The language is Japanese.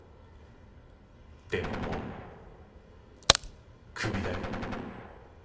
でももうクビだよ。